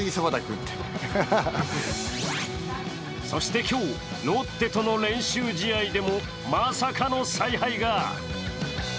そして今日、ロッテとの練習試合でも、まさかの采配が。